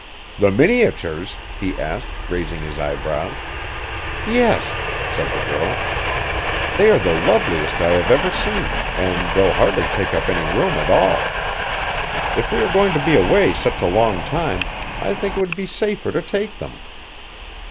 "The miniatures?" he asked, raising his eyebrows. "Yes," said the girl. "They are the loveliest I've ever seen and they'll hardly take up any room at all. If we are going to be away such a long time I think it would be safer to take them."